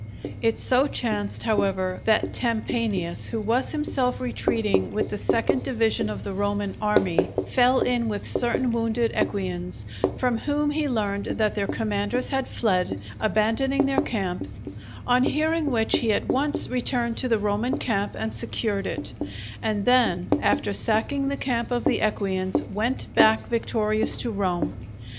It so chanced, however, that Tempanius, who was himself retreating with the second division of the Roman army, fell in with certain wounded Equians, from whom he learned that their commanders had fled, abandoning their camp; on hearing which, he at once returned to the Roman camp and secured it, and then, after sacking the camp of the Equians, went back victorious to Rome.